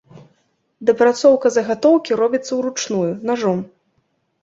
Дапрацоўка загатоўкі робіцца ўручную, нажом.